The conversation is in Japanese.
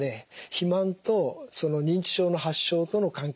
肥満と認知症の発症との関係